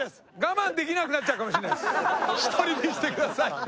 １人にしてください。